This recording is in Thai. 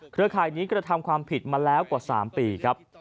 ร่ายนี้กระทำความผิดมาแล้วกว่า๓ปีครับ